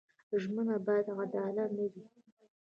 ژمنه باید عادلانه وي.